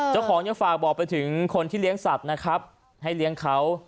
เจ้าของยังฝากบอกไปถึงคนที่เลี้ยงสัตว์นะครับให้เลี้ยงเขา